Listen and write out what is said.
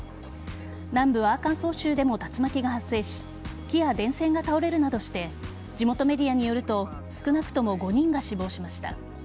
南部・アーカンソー州でも竜巻が発生し木や電線が倒れるなどして地元メディアによると少なくとも５人が死亡しました。